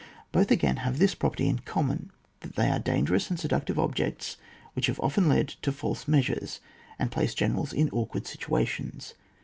Both again have this property in com mon, that they are dangerous and seduc tive objects which have often led to false measures, and placed generals in awk ward situations.